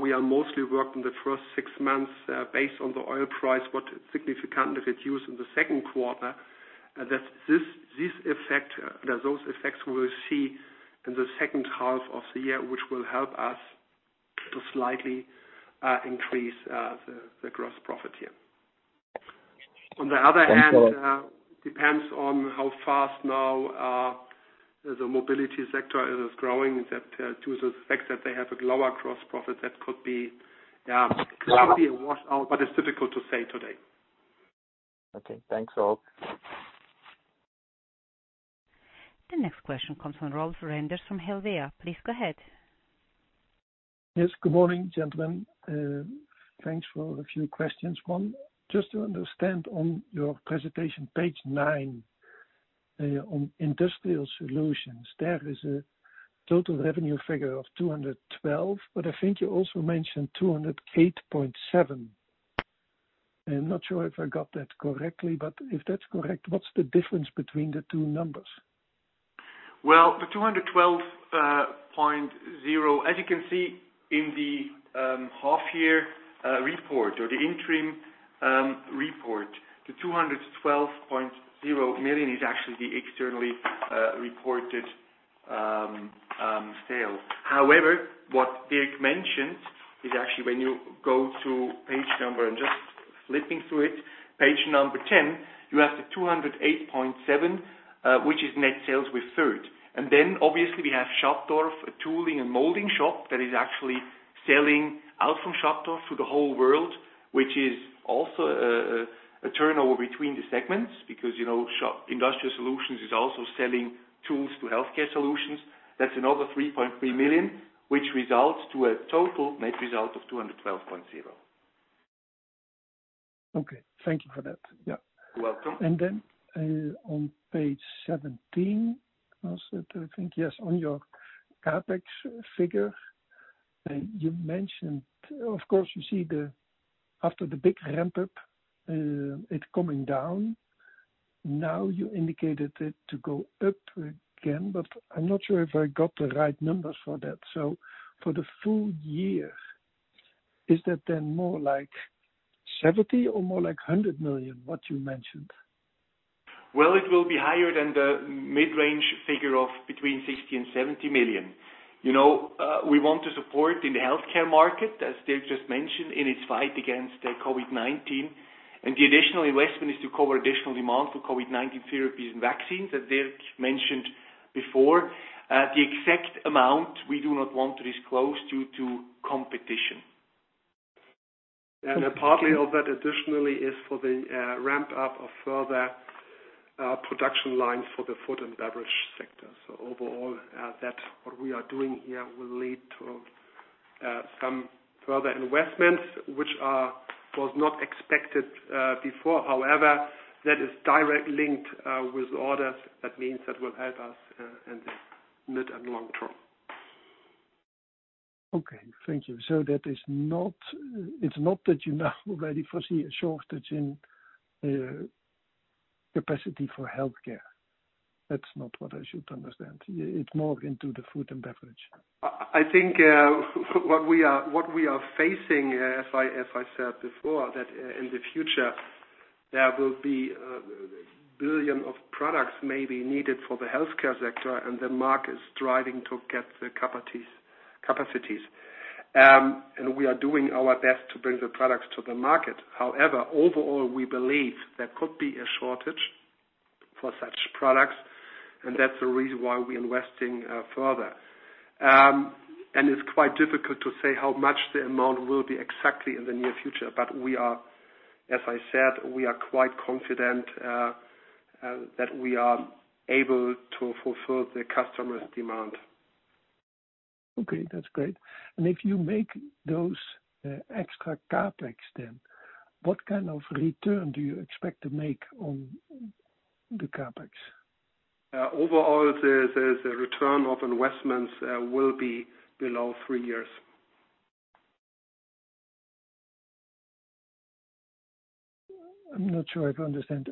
we are mostly working the first six months, based on the oil price, what significant reduce in the second quarter, that those effects we will see in the second half of the year, which will help us to slightly increase the gross profit here. And so- depends on how fast now the mobility sector is growing, that to the effect that they have a lower gross profit, that could be a wash out, but it's difficult to say today. Okay. Thanks, Ulf. The next question comes from Rolf Renders from Helvea. Please go ahead. Yes. Good morning, gentlemen. Thanks for a few questions. One, just to understand on your presentation, page nine, on Industrial Solutions, there is a total revenue figure of 212, but I think you also mentioned 208.7. I'm not sure if I got that correctly, but if that's correct, what's the difference between the two numbers? Well, the 212.0, as you can see in the half year report or the interim report, the 212.0 million is actually the externally reported sales. What Dirk mentioned is actually when you go to page number, I'm just flipping through it, page number 10, you have the 208.7, which is net sales with third. Obviously we have Schattdorf, a tooling and molding shop that is actually selling out from Schattdorf to the whole world, which is also a turnover between the segments because Industrial Solutions is also selling tools to Healthcare Solutions. That's another 3.3 million, which results to a total net result of 212.0. Okay. Thank you for that. Yeah. You're welcome. On page 17, was it, I think, yes, on your CapEx figure, you mentioned, of course you see after the big ramp up, it coming down. You indicated it to go up again, but I'm not sure if I got the right numbers for that. For the full year, is that then more like 70 or more like 100 million, what you mentioned? Well, it will be higher than the mid-range figure of between 60 million and 70 million. We want to support in the healthcare market, as Dirk just mentioned, in its fight against COVID-19. The additional investment is to cover additional demand for COVID-19 therapies and vaccines that Dirk mentioned before. The exact amount we do not want to disclose due to competition. A part of that additionally is for the ramp up of further production lines for the food and beverage sector. Overall, that what we are doing here will lead to some further investments, which was not expected before. However, that is direct linked with orders, that means that will help us in the mid and long term. Okay. Thank you. That is not that you now already foresee a shortage in capacity for healthcare. That's not what I should understand. It's more into the food and beverage. I think what we are facing, as I said before, that in the future there will be 1 billion of products may be needed for the healthcare sector, and the market is striving to get the capacities. We are doing our best to bring the products to the market. However, overall, we believe there could be a shortage for such products, and that's the reason why we're investing further. It's quite difficult to say how much the amount will be exactly in the near future. As I said, we are quite confident that we are able to fulfill the customer's demand. Okay, that's great. If you make those extra CapEx then, what kind of return do you expect to make on the CapEx? Overall, the return of investments will be below three years. I'm not sure I understand.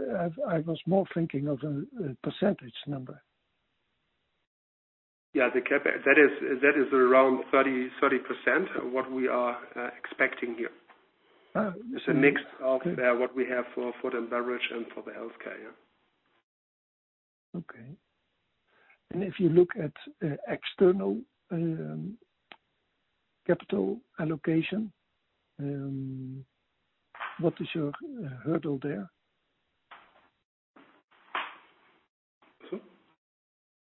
I was more thinking of a percentage number. Yeah. The CapEx. That is around 30% of what we are expecting here. Oh, okay. It's a mix of what we have for food and beverage and for the healthcare. Okay. If you look at external capital allocation, what is your hurdle there?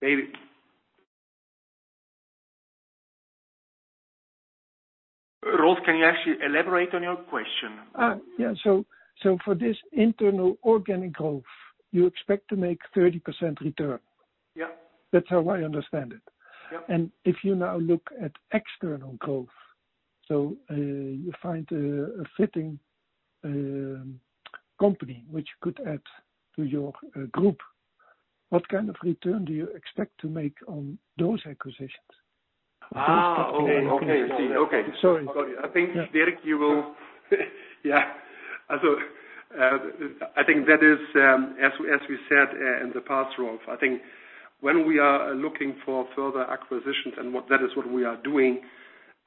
Sorry. Rolf, can you actually elaborate on your question? Yeah. For this internal organic growth, you expect to make 30% return? Yeah. That's how I understand it. Yeah. If you now look at external growth, so you find a fitting company which could add to your group, what kind of return do you expect to make on those acquisitions? Okay. I see. Okay. Sorry. I think, Dirk, you will. I think that is, as we said in the past, Rolf, I think when we are looking for further acquisitions and that is what we are doing,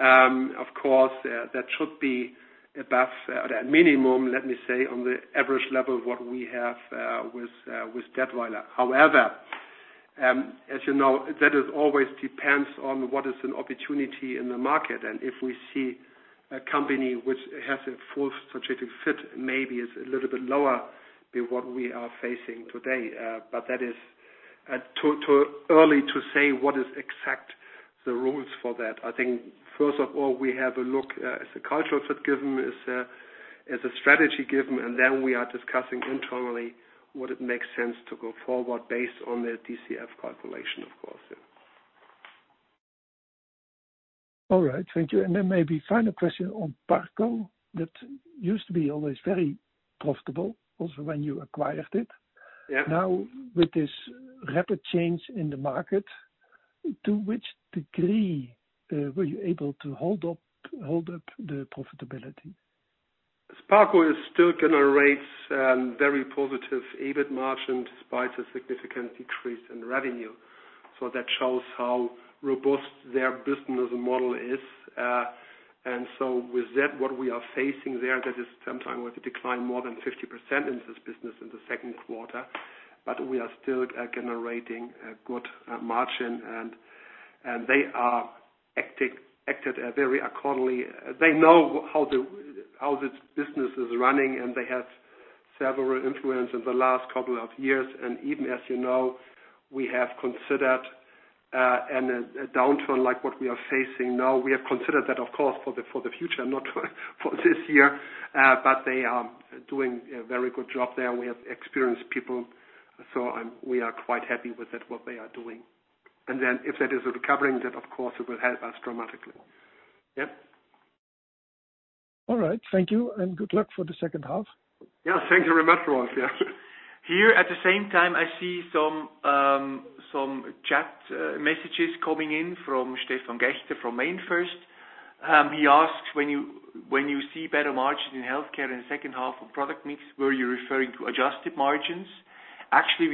of course, that should be above that minimum, let me say, on the average level, what we have with Dätwyler. However, as you know, that always depends on what is an opportunity in the market. If we see a company which has a full strategic fit, maybe it's a little bit lower than what we are facing today. That is too early to say what is exact rules for that. I think, first of all, we have a look, is the cultural fit given? Is the strategy given? We are discussing internally would it make sense to go forward based on the DCF calculation, of course. All right. Thank you. Maybe final question on Parco, that used to be always very profitable also when you acquired it. Yeah. With this rapid change in the market, to which degree were you able to hold up the profitability? Parco is still generates very positive EBIT margin despite a significant decrease in revenue. That shows how robust their business model is. With that, what we are facing there, that is sometimes with a decline more than 50% in this business in the second quarter, but we are still generating a good margin and they are acted very accordingly. They know how this business is running, and they had several influence in the last couple of years. Even, as you know, we have considered a downturn like what we are facing now. We have considered that, of course, for the future, not for this year. They are doing a very good job there. We have experienced people. We are quite happy with what they are doing. If that is recovering, then of course, it will help us dramatically. Yeah. All right. Thank you, and good luck for the second half. Yeah. Thank you very much, Rolf. Yeah. At the same time, I see some chat messages coming in from Stefan Gächter from MainFirst. He asks, "When you see better margins in Healthcare Solutions in the second half of product mix, were you referring to adjusted margins?" Actually,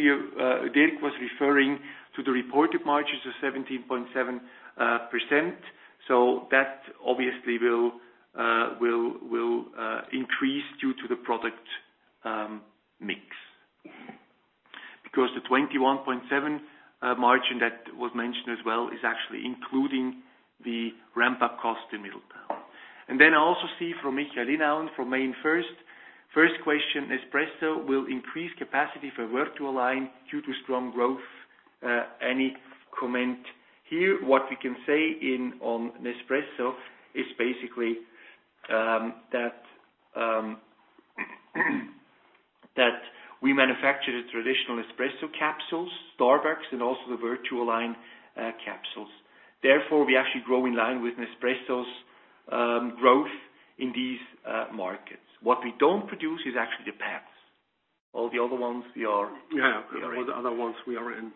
Dirk was referring to the reported margins of 17.7%. That obviously will increase due to the product mix. The 21.7% margin that was mentioned as well is actually including the ramp-up cost in Middletown. I also see from Michael Inauen from MainFirst, first question, Nespresso will increase capacity for VertuoLine due to strong growth. Any comment here? What we can say on Nespresso is basically that we manufacture the traditional Nespresso capsules, Starbucks, and also the VertuoLine capsules. We actually grow in line with Nespresso's growth in these markets. What we don't produce is actually the pads. All the other ones we are in. Yeah. All the other ones we are in.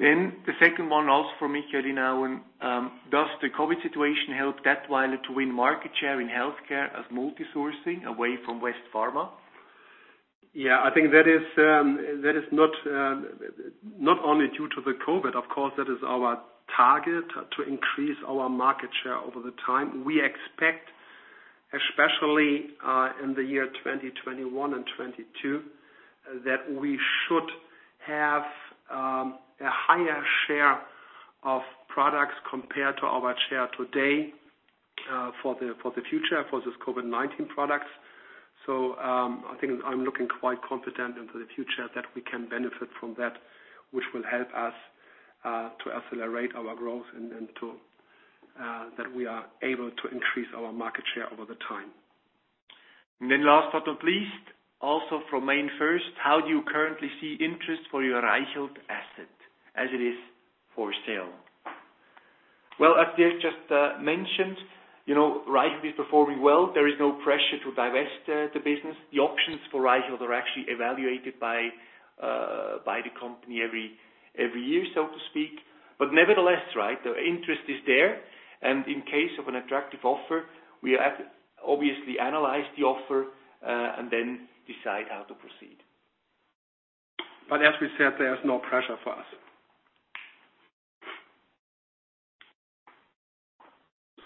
The second one, also from Michael Inauen. Does the COVID situation help Dätwyler to win market share in healthcare as multi-sourcing away from West Pharma? I think that is not only due to the COVID. Of course, that is our target to increase our market share over the time. We expect, especially in the year 2021 and 2022, that we should have a higher share of products compared to our share today for the future, for these COVID-19 products. I think I'm looking quite confident into the future that we can benefit from that, which will help us to accelerate our growth and that we are able to increase our market share over the time. Last but not least, also from MainFirst, how do you currently see interest for your Reichelt asset as it is for sale? Well, as I just mentioned, Reichelt is performing well. There is no pressure to divest the business. The options for Reichelt are actually evaluated by the company every year, so to speak. Nevertheless, the interest is there, and in case of an attractive offer, we obviously analyze the offer, and then decide how to proceed. As we said, there's no pressure for us.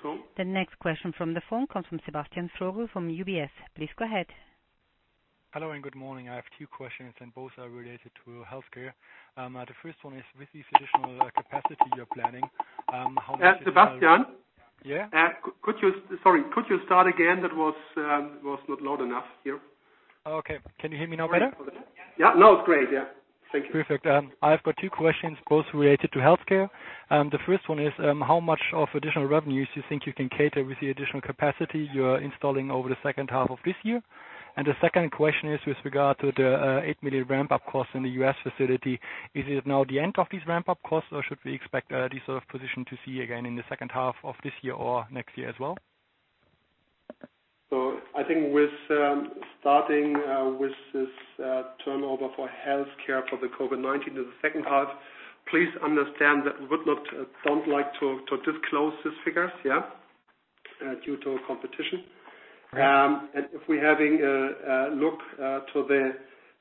So- The next question from the phone comes from Sebastian Schroeck from UBS. Please go ahead. Hello, good morning. I have two questions. Both are related to healthcare. The first one is, with these additional capacity you're planning, how much. Sebastian? Yeah. Sorry. Could you start again? That was not loud enough here. Oh, okay. Can you hear me now better? Yeah. Now it is great. Yeah. Thank you. Perfect. I've got two questions, both related to healthcare. The first one is, how much of additional revenues you think you can cater with the additional capacity you're installing over the second half of this year? The second question is with regard to the 8 million ramp-up costs in the U.S. facility. Is it now the end of these ramp-up costs, or should we expect this sort of position to see again in the second half of this year or next year as well? I think starting with this turnover for healthcare for the COVID-19 in the second half, please understand that we don't like to disclose these figures, yeah, due to competition. Right. If we're having a look to the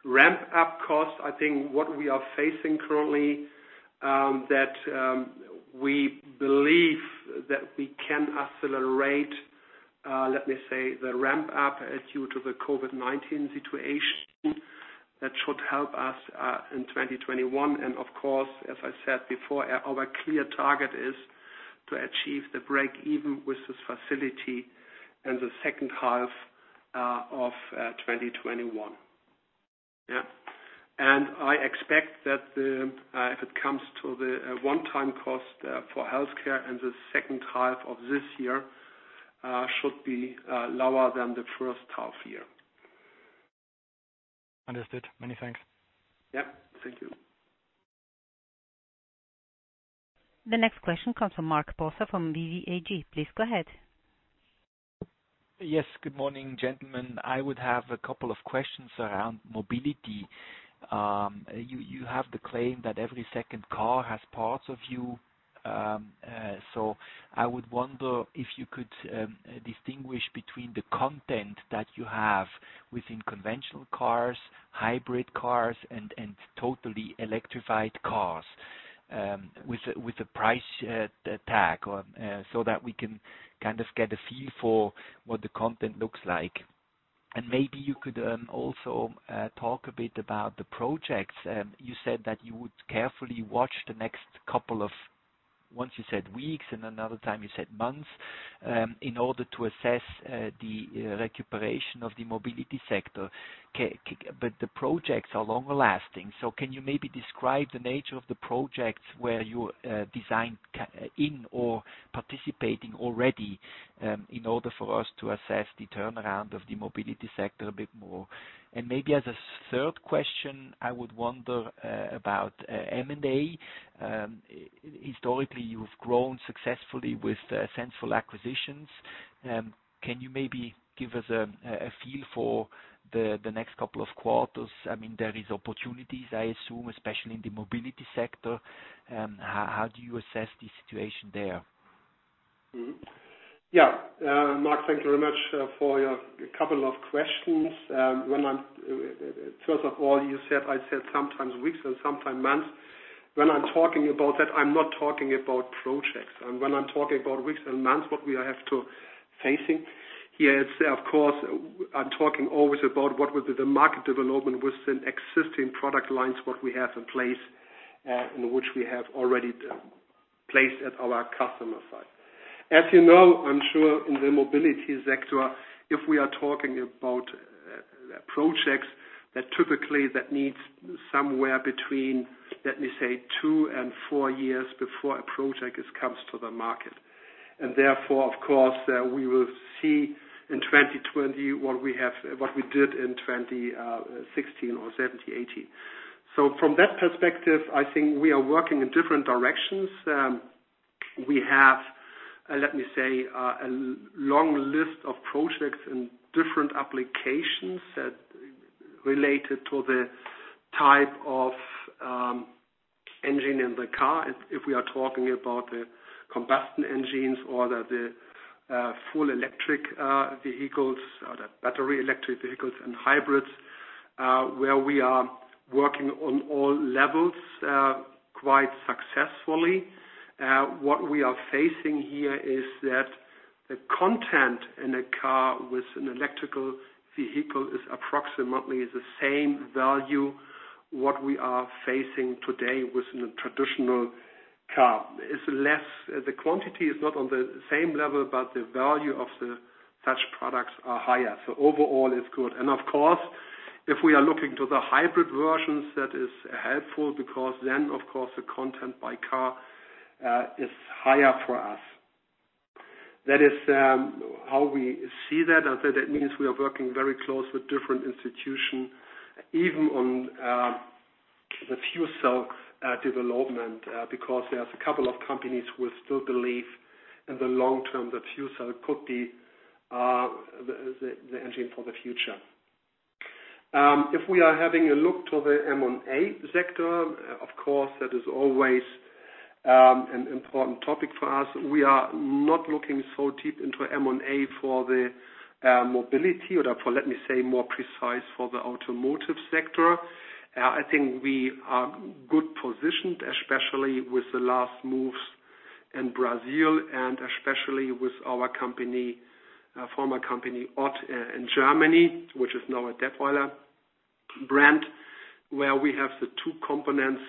ramp-up cost, I think what we are facing currently that we believe that we can accelerate, let me say, the ramp-up due to the COVID-19 situation. That should help us in 2021. Of course, as I said before, our clear target is to achieve the break even with this facility in the second half of 2021. Yeah. I expect that if it comes to the one-time cost for healthcare in the second half of this year, should be lower than the first half year. Understood. Many thanks. Yeah. Thank you. The next question comes from Markus Büscher from BBAG. Please go ahead. Yes. Good morning, gentlemen. I would have a couple of questions around mobility. You have the claim that every second car has parts of you. I would wonder if you could distinguish between the content that you have within conventional cars, hybrid cars, and totally electrified cars with a price tag on, so that we can kind of get a feel for what the content looks like. Maybe you could also talk a bit about the projects. You said that you would carefully watch the next couple of, once you said weeks, and another time you said months, in order to assess the recuperation of the mobility sector. The projects are longer lasting. Can you maybe describe the nature of the projects where you designed in or participating already, in order for us to assess the turnaround of the mobility sector a bit more? Maybe as a third question, I would wonder about M&A. Historically, you've grown successfully with sensible acquisitions. Can you maybe give us a feel for the next couple of quarters? I mean, there is opportunities, I assume, especially in the mobility sector. How do you assess the situation there? Mark, thank you very much for your couple of questions. First of all, you said I said sometimes weeks and sometimes months. When I'm talking about that, I'm not talking about projects. When I'm talking about weeks and months, what we have to facing here is, of course, I'm talking always about what was the market development within existing product lines, what we have in place, and which we have already placed at our customer site. As you know, I'm sure in the mobility sector, if we are talking about projects that typically needs somewhere between, let me say, two and four years before a project comes to the market. Therefore, of course, we will see in 2020 what we did in 2016 or 2017, 2018. From that perspective, I think we are working in different directions. We have, let me say, a long list of projects and different applications related to the type of engine in the car, if we are talking about the combustion engines or the full electric vehicles, or the battery electric vehicles and hybrids, where we are working on all levels quite successfully. What we are facing here is that the content in a car with an electrical vehicle is approximately the same value what we are facing today with a traditional car. The quantity is not on the same level, but the value of such products are higher. Overall, it's good. Of course, if we are looking to the hybrid versions, that is helpful because then, of course, the content by car is higher for us. That is how we see that. That means we are working very close with different institutions, even on the fuel cell development, because there's a couple of companies who still believe in the long term that fuel cell could be the engine for the future. If we are having a look to the M&A sector, of course, that is always an important topic for us. We are not looking so deep into M&A for the mobility or for, let me say, more precise for the automotive sector. I think we are good positioned, especially with the last moves in Brazil and especially with our former company, Ott, in Germany, which is now a Dätwyler brand, where we have the two components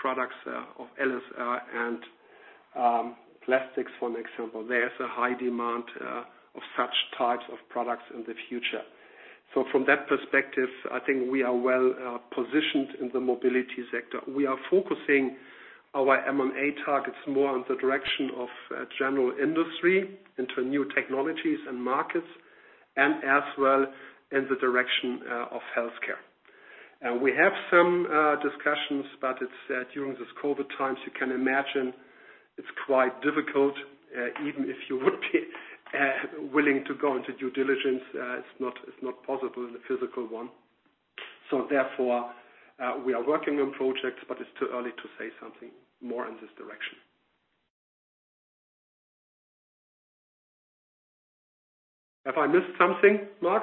products of LSR and plastics, for example. There's a high demand of such types of products in the future. From that perspective, I think we are well-positioned in the mobility sector. We are focusing our M&A targets more on the direction of general industry, into new technologies and markets, and as well in the direction of healthcare. We have some discussions, but during these COVID-19 times, you can imagine it's quite difficult. Even if you would be willing to go into due diligence, it's not possible in the physical one. Therefore, we are working on projects, but it's too early to say something more in this direction. Have I missed something, Mark?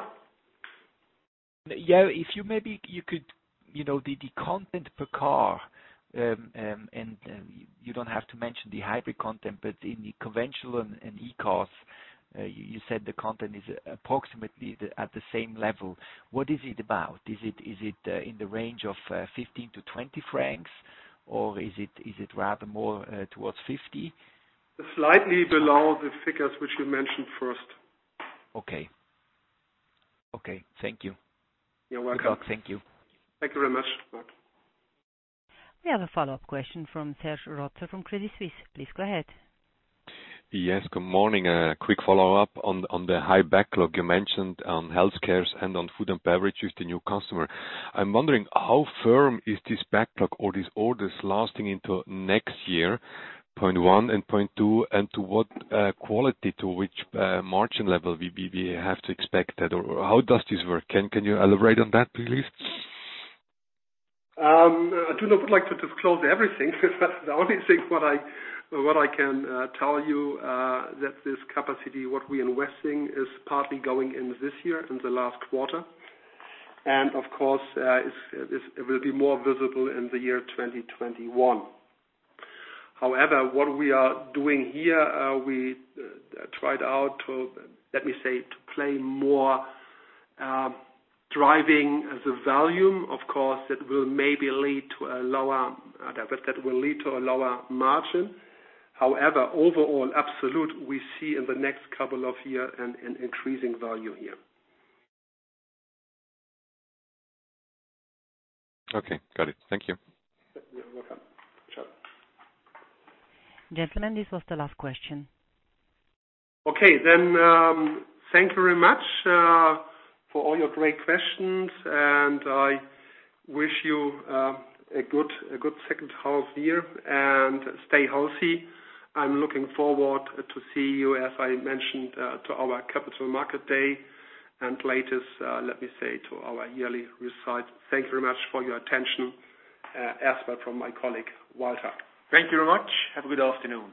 Yeah. If you maybe you could, the content per car, and you don't have to mention the hybrid content, but in the conventional and e-cars, you said the content is approximately at the same level. What is it about? Is it in the range of 15-20 francs, or is it rather more towards 50? Slightly below the figures which you mentioned first. Okay. Thank you. You're welcome. Good luck. Thank you. Thank you very much, Mark. We have a follow-up question from Serge Rotzer from Credit Suisse. Please go ahead. Yes, good morning. A quick follow-up on the high backlog you mentioned on healthcare and on food and beverage with the new customer. I'm wondering, how firm is this backlog or these orders lasting into next year, point one and point two, and to what quality, to which margin level we have to expect that, or how does this work? Can you elaborate on that, please? I do not like to disclose everything because that's the only thing what I can tell you, that this capacity, what we're investing, is partly going in this year, in the last quarter. Of course, it will be more visible in the year 2021. However, what we are doing here, we tried out to, let me say, to play more driving the volume. Of course, that will lead to a lower margin. However, overall absolute, we see in the next couple of year an increasing value here. Okay, got it. Thank you. You're welcome. Ciao. Gentlemen, this was the last question. Okay, thank you very much for all your great questions, and I wish you a good second half year, and stay healthy. I am looking forward to see you, as I mentioned, to our Capital Market Day and latest, let me say, to our yearly result. Thank you very much for your attention. As well from my colleague, Walter. Thank you very much. Have a good afternoon.